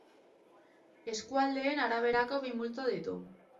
Eskualdeen araberako bi multzo ditu.